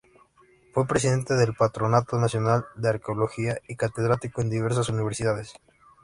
Fue presidente del Patronato Nacional de Arqueología y catedrático en diversas universidades.